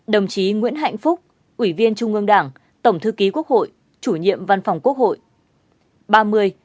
hai mươi chín đồng chí nguyễn hạnh phúc ủy viên trung ương đảng tổng thư ký quốc hội chủ nhiệm văn phòng quốc hội